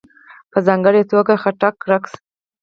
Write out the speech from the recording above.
په ځانګړې توګه ..خټک رقص..